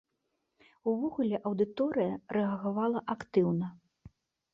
Увогуле, аўдыторыя рэагавала актыўна.